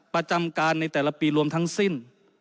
ประจำการในแต่ละปีรวมทั้งสิ้น